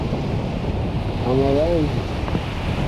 amabanki